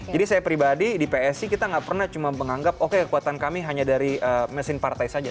jadi saya pribadi di psi kita nggak pernah cuma menganggap oke kekuatan kami hanya dari mesin partai saja